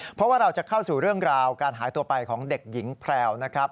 เพราะว่าเราจะเข้าสู่เรื่องราวการหายตัวไปของเด็กหญิงแพรวนะครับ